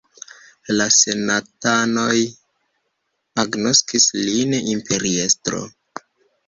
La senatanoj agnoskis lin imperiestro.